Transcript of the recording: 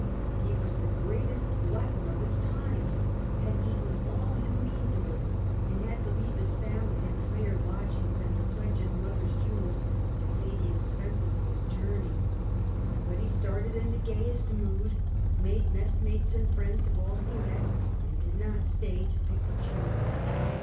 He was the greatest glutton of his times, had eaten all his means away, and had to Glutton and leave his family in hired lodgings and to if^ugh'he^ pledge his mother's jewels to pay the ex penses of his journey. But he started in the gayest mood, made messmates and friends of all he met, and did not stay to pick and choose.